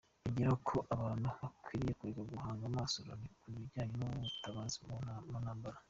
Yongeraho ko abantu bakwiriye kureka guhanga amaso Loni ku bijyanye n’ubutabazi mu ntambara.